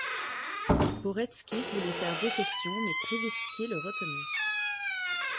Poretski voulait faire défection, mais Krivitsky le retenait.